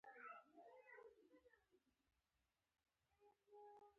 هلته لومړنۍ سمندري ټولنې او ماڼۍ جوړې شوې.